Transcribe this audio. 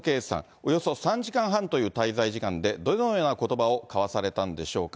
およそ３時間半という滞在時間で、どのようなことばを交わされたんでしょうか。